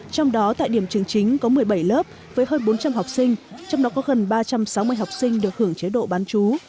trong đó tại điểm trường chính có một mươi bảy lớp với hơn bốn trăm linh học sinh trong đó có gần ba trăm sáu mươi học sinh được hưởng chế độ bán chú